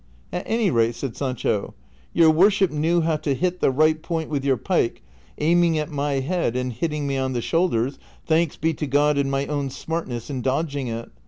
" At any rate," said Sancho, " your worship knew how to hit the right point with your pike, aiming at my head and hitting me on the shoulders, thanks be to God and my own smartness in dodging it.